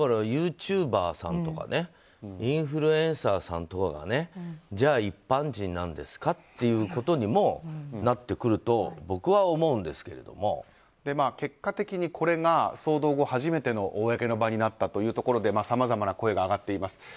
ユーチューバーさんとかインフルエンサーさんとかが一般人なんですかということにもなってくると結果的にこれが騒動後初めての公の場になったというところでさまざまな声が上がっています。